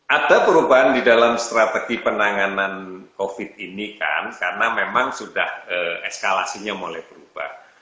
ada perubahan di dalam strategi penanganan covid ini kan karena memang sudah eskalasinya mulai berubah